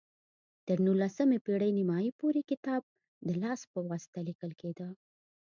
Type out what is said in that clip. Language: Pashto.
تر نولسمې پېړۍ نیمايي پورې کتاب د لاس په واسطه لیکل کېده.